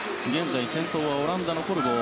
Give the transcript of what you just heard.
先頭はオランダのコルボー。